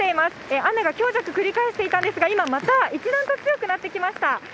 雨が強弱くり返していたんですが、今、また一段と強くなってきました。